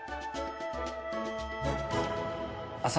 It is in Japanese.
あ！